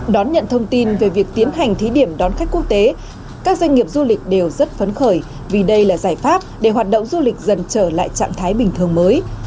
đón nhận thông tin về việc tiến hành thí điểm đón khách quốc tế các doanh nghiệp du lịch đều rất phấn khởi vì đây là giải pháp để hoạt động du lịch dần trở lại trạng thái bình thường mới